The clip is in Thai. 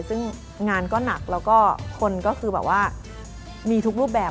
ซึ่งงานก็หนักแล้วก็คนก็คือแบบว่ามีทุกรูปแบบ